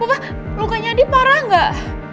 bapak lukanya di parah nggak